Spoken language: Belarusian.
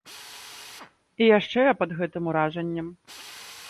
І яшчэ я пад гэтым уражаннем.